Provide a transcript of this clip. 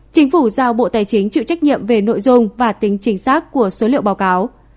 chính phủ giao bộ tài chính chịu trách nhiệm về nội dung và tính chính xác của số liệu báo cáo